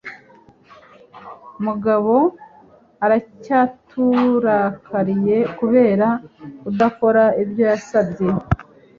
Mugabo aracyaturakariye kubera kudakora ibyo yasabye.